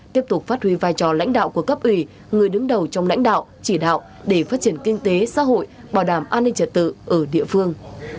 tiếp tục phát huy vai trò lãnh đạo của cấp ủy người đứng đầu trong lãnh đạo chỉ đạo để phát triển kinh tế xã hội bảo đảm an ninh trật tự ở địa phương